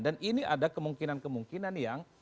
dan ini ada kemungkinan kemungkinan yang